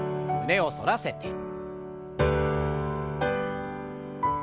胸を反らせて。